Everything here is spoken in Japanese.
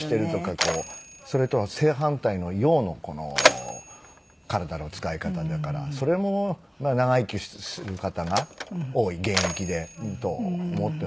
それとは正反対の陽の体の使い方だからそれも長生きする方が多い現役でと思っております。